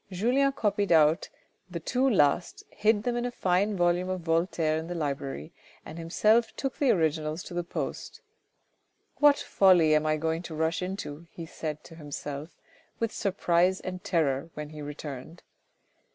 Julien copied out the two last, hid them in a fine volume of Voltaire in the library and himself took the originals to the post. " What folly am I going to rush into," he said to himself with surprise and terror when he returned.